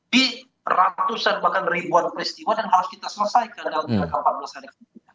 di ratusan bahkan ribuan peristiwa dan harus kita selesaikan dalam jangka empat belas hari